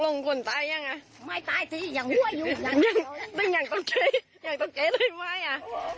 แล้วอย่างตกใจอย่างตกใจเลยมั้ยอ่ะ